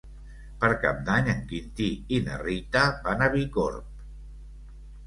Per Cap d'Any en Quintí i na Rita van a Bicorb.